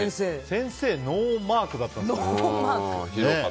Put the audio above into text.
先生ノーマークだったんでしょうね。